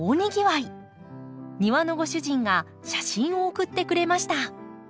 庭のご主人が写真を送ってくれました。